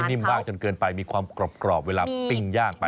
นิ่มมากจนเกินไปมีความกรอบเวลาปิ้งย่างไป